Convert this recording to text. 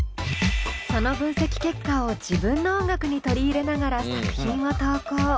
その分析結果を自分の音楽に取り入れながら作品を投稿。